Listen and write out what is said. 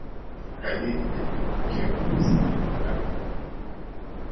Kadiri ya mapokeo alizaliwa barani Afrika.